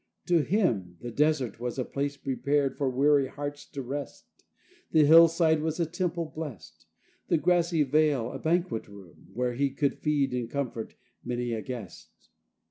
To him the desert was a place prepared For weary hearts to rest; The hillside was a temple blest; The grassy vale a banquet room Where he could feed and comfort many a guest.